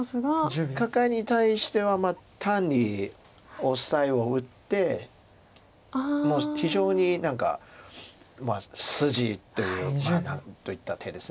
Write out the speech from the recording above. カカエに対しては単にオサエを打って非常に何か筋というといった手です。